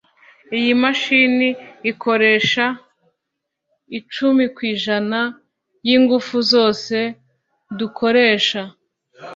iyi mashini ikoresha icumi ku ijana yingufu zose dukoresha